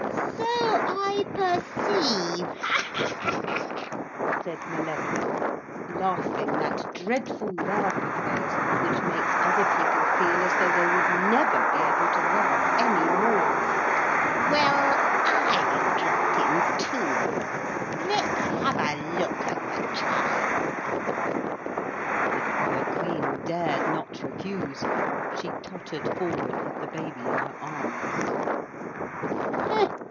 'So I perceive,' said Malevola, laughing that dreadful laugh of hers which makes other people feel as though they would never be able to laugh any more. 'Well, I've dropped in too. Let's have a look at the child.' The poor Queen dared not refuse. She tottered forward with the baby in her arms.